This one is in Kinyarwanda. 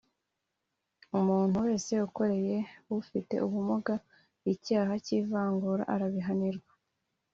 Umuntu wese ukoreye ufite ubumuga icyaha cy’ ivangura arabihanirwa